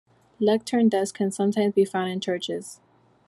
Lectern desks can sometimes be found in churches.